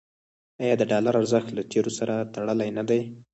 آیا د ډالر ارزښت له تیلو سره تړلی نه دی؟